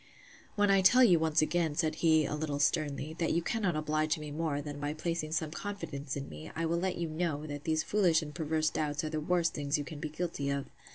When I tell you once again, said he, a little sternly, that you cannot oblige me more, than by placing some confidence in me, I will let you know, that these foolish and perverse doubts are the worst things you can be guilty of.